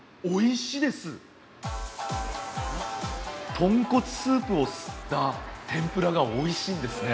豚骨スープを吸った天ぷらがおいしいですね。